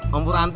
hai om purwanto